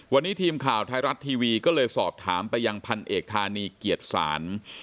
วันนี้ทีมข่าวไทยรัฐทีวีก็เลยสอบถามไปยังพันเอกธานีเกียรติศาล